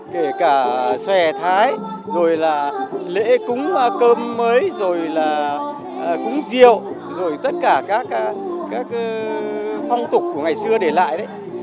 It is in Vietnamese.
kể cả xòe thái rồi là lễ cúng cơm mới rồi là cúng rượu rồi tất cả các phong tục của ngày xưa để lại đấy